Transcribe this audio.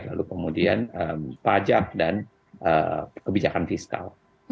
lalu kemudian pajak dan kebijakan fiskal